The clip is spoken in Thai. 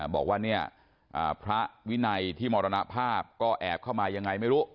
บอกว่าเนี่ยพระวินัยที่มรณภาพก็แอบเข้ามายังไงไม่รู้